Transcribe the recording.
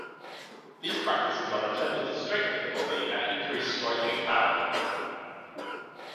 These practices are intended to strengthen the body and increase striking power.